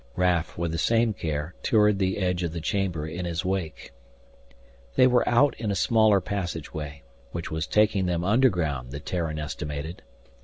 Raf, with the same care, toured the edge of the chamber in his wake. They were out in a smaller passageway, which was taking them underground, the Terran estimated.